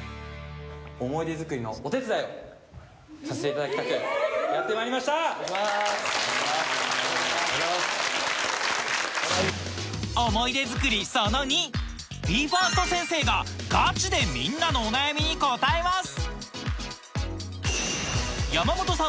驚く生徒たちに改めて思い出作りその２ＢＥ：ＦＩＲＳＴ先生がガチでみんなのお悩みに答えます